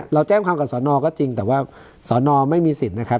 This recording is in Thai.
เราแจ้งความกับสอนอก็จริงแต่ว่าสอนอไม่มีสิทธิ์นะครับ